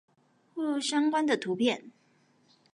或相關的圖片